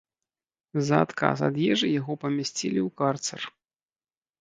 За адказ ад ежы яго памясцілі ў карцэр.